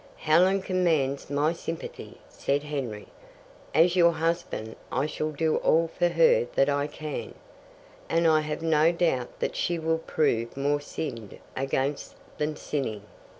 "Helen commands my sympathy," said Henry. "As your husband, I shall do all for her that I can, and I have no doubt that she will prove more sinned against than sinning.